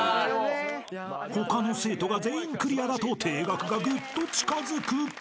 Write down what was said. ［他の生徒が全員クリアだと停学がぐっと近づく］